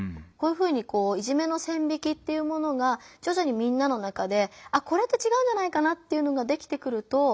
こういうふうにいじめの線引きっていうものがじょじょにみんなの中でこれって違うんじゃないかなっていうのができてくると。